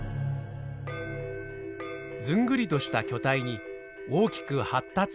ずんぐりとした巨体に大きく発達したひれ。